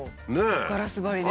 ガラス張りでね。